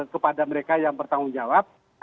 kepada mereka yang bertanggung jawab